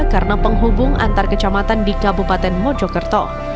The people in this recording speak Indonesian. karena penghubung antar kecamatan di kabupaten mojokerto